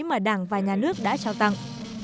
mà đảng và nhà nước đã trao tặng